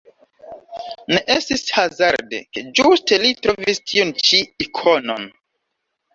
Ne estis hazarde, ke ĝuste li trovis tiun ĉi ikonon.